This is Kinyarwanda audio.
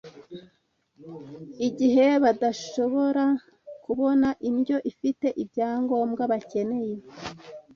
igihe badashobora kubona indyo ifite ibyangombwa bakeneye